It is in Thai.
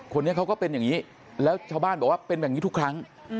คนนี้เขาก็เป็นอย่างนี้แล้วชาวบ้านบอกว่าเป็นแบบนี้ทุกครั้ง